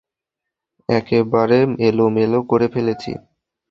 একেবারে এলোমেলো করে ফেলেছি।